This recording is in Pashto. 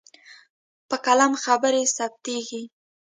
په قلم خبرې ثبتېږي.